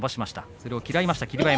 それを嫌いました、霧馬山。